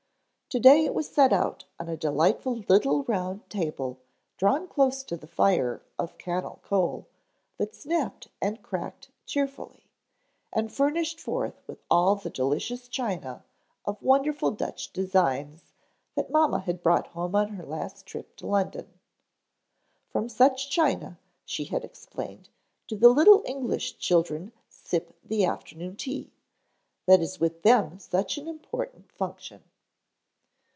To day it was set out on a delightful little round table drawn close to the fire of cannel coal that snapped and cracked cheerfully, and furnished forth with all the delicious china of wonderful Dutch designs that mamma had brought home on her last trip to London. From such china, she had explained, do the little English children sip the afternoon tea, that is with them such an important function.